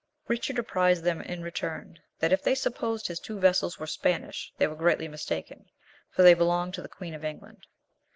Richard apprised them, in return, that if they supposed his two vessels were Spanish, they were greatly mistaken, for they belonged to the Queen of England.